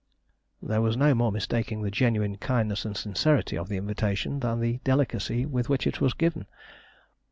There was no more mistaking the genuine kindness and sincerity of the invitation than the delicacy with which it was given.